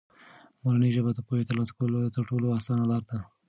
مورنۍ ژبه د پوهې د ترلاسه کولو تر ټولو اسانه لاره ده.